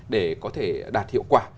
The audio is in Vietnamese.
để có thể đạt hiệu quả